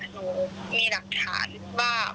หนูมีหลักฐานว่า